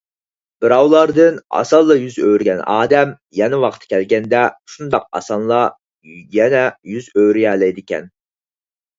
بىراۋلاردىن ئاسانلا يۈز ئۆرۈگەن ئادەم، يەنە ۋاقتى كەلگەندە شۇنداق ئاسانلا يەنە يۈز ئۆرۈيەلەيدىكەن